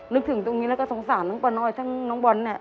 นึกถึงตรงนี้แล้วก็สงสารทั้งป้าน้อยทั้งน้องบอลเนี่ย